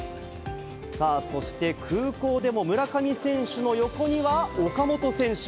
さあそして、空港でも村上選手の横には、岡本選手。